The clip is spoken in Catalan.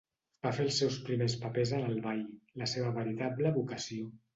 Va fer els seus primers papers en el ball, la seva veritable vocació.